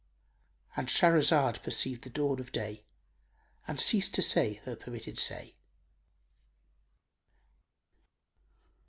——And Shahrazad perceived the dawn of day and ceased to say her permitted say.